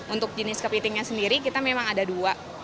untuk jenis kepitingnya sendiri kita memang ada dua